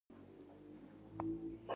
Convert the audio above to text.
هغه خلک مطالعې ته هڅول.